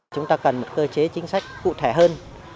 chúng ta cần một cơ chế chính sách cụ thể hơn